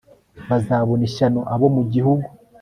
bazabona ishyano abo mu gihugu